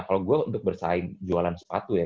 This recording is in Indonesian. kalo gue untuk bersaing jualan sepatu ya